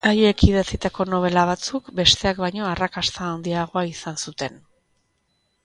Haiek idatzitako nobela batzuk besteak baino arrakasta handiagoa izan zuten.